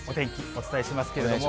お伝えしますけれども。